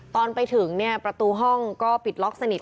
ตอนไปถึงเนี่ยประตูห้องก็ปิดล็อกสนิท